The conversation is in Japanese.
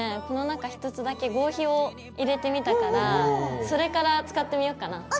この中１つだけ合皮を入れてみたからそれから使ってみようかな。